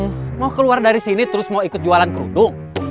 apa ingin kamu keluar dari sini dan memulai jualan kerudung